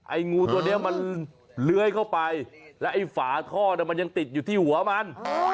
งูตัวนี้มันเลื้อยเข้าไปแล้วไอ้ฝาท่อมันยังติดอยู่ที่หัวมัน